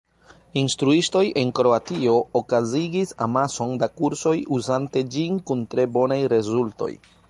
Instruistoj en Kroatio okazigis amason da kursoj uzante ĝin kun tre bonaj rezultoj.